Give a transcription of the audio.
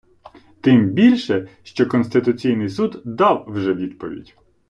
Тим більше, що Конституційний суд дав вже відповідь.